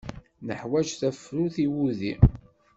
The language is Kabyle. Neḥwaj tafrut i wudi.